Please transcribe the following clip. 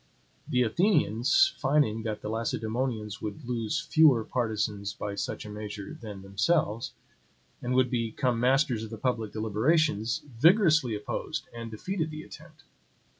The Athenians, finding that the Lacedaemonians would lose fewer partisans by such a measure than themselves, and would become masters of the public deliberations, vigorously opposed and defeated the attempt.